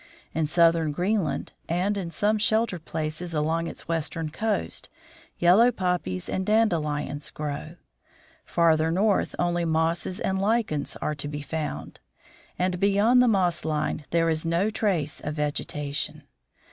In southern Greenland, and in some sheltered places along its western coast, yellow poppies and dandelions grow. Farther north only mosses and lichens are to be found, and beyond the moss line there is no trace of vegetation.